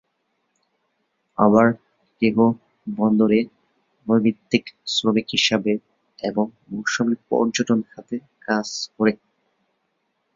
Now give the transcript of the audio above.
আবার কেহ বন্দরে নৈমিত্তিক শ্রমিক হিসেবে এবং মৌসুমি পর্যটন খাতে কাজ করে।